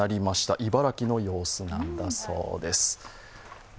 茨城の様子なんだそうです。